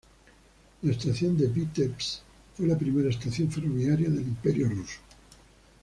La estación de Vítebsk fue la primera estación ferroviaria del Imperio Ruso.